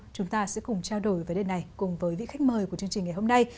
chúng ta sẽ cùng trao đổi với đề này cùng với vị khách mời của chương trình ngày hôm nay